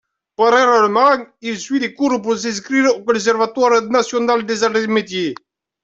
Parallèlement, il suit des cours pour s'inscrire au Conservatoire national des arts et métiers.